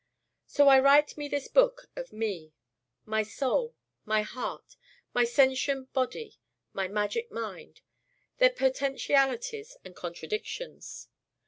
So I write me this book of Me my Soul, my Heart, my sentient Body, my magic Mind: their potentialities and contradictions.